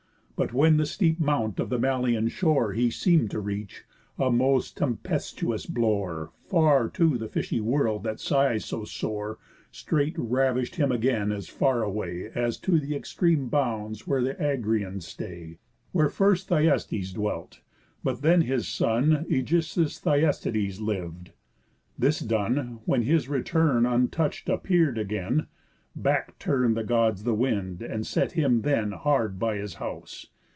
But when the steep mount of the Malian shore He seem'd to reach, a most tempestuous blore, Far to the fishy world that sighs so sore, Straight ravish'd him again as far away, As to th' extreme bounds where the Agrians stay, Where first Thyestes dwelt, but then his son Ægisthus Thyestiades liv'd. This done, When his return untouch'd appear'd again, Back turn'd the Gods the wind, and set him then Hard by his house.